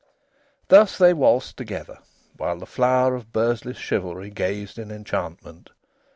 Thus they waltzed together, while the flower of Bursley's chivalry gazed in enchantment.